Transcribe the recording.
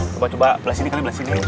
coba coba belas sini kali belas sini